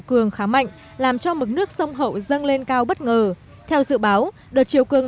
cường khá mạnh làm cho mực nước sông hậu dâng lên cao bất ngờ theo dự báo đợt chiều cường